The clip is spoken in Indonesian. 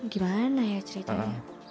gimana ya ceritanya